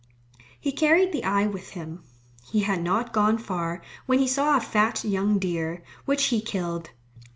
He carried the eye with him. He had not gone far when he saw a fat young deer, which he killed.